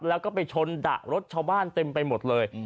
แล้วก็ไปชนดะรถชาวบ้านเต็มไปหมดเลย